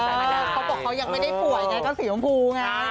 เขาบอกเขายังไม่ได้ป่วยก็สีชมพู